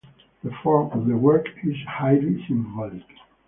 The form of the work is highly symbolic.